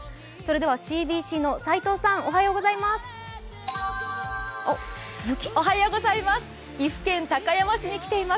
ＣＢＣの斉藤さん、おはようございます。